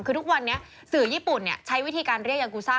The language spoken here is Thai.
คือทุกวันนี้สื่อญี่ปุ่นใช้วิธีการเรียกยากูซ่า